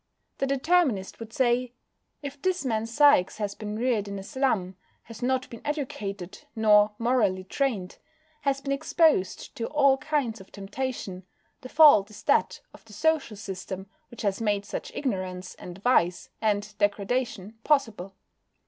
The Determinist would say: "If this man Sikes has been reared in a slum, has not been educated, nor morally trained, has been exposed to all kinds of temptation, the fault is that of the social system which has made such ignorance, and vice, and degradation possible."